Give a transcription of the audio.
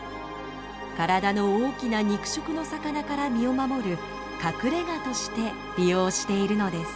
体の大きな肉食の魚から身を守る「隠れが」として利用しているのです。